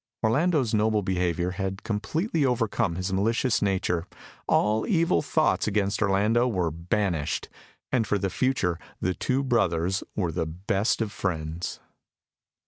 Orlando's noble behaviour had completely overcome his malicious nature; all evil thoughts against Orlando were banished, and for the future the two brothers were the best of friends.